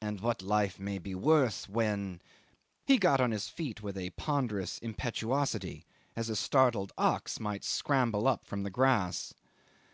And what life may be worth when" ... he got on his feet with a ponderous impetuosity, as a startled ox might scramble up from the grass